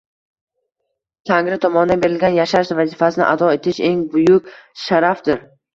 Tangri tomonidan berilgan yashash vazifasini ado etish – eng buyuk sharafdir.